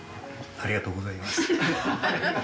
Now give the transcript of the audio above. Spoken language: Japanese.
ありがとうございます。